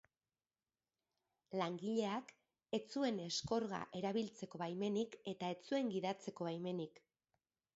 Langileak ez zuen eskorga erabiltzeko baimenik eta ez zuen gidatzeko baimenik.